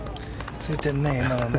ついてんね。